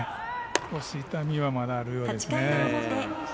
少し痛みはあるようですね。